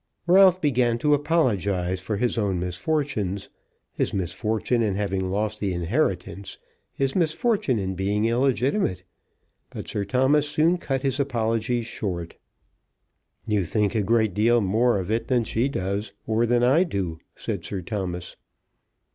Ralph began to apologise for his own misfortunes, his misfortune in having lost the inheritance, his misfortune in being illegitimate; but Sir Thomas soon cut his apologies short. "You think a great deal more of it than she does, or than I do," said Sir Thomas.